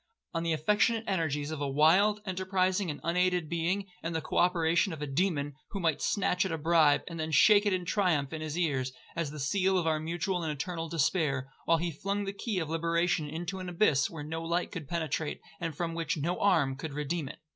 On the affectionate energies of a wild, enterprising, and unaided being, and the co operation of a demon, who might snatch at a bribe, and then shake it in triumph in his ears, as the seal of our mutual and eternal despair, while he flung the key of liberation into an abyss where no light could penetrate, and from which no arm could redeem it.